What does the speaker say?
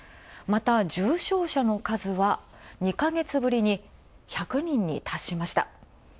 また重症者の数は、２か月ぶりに１００人に達しました。